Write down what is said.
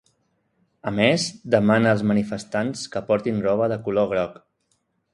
A més, demana als manifestants que portin roba de color groc.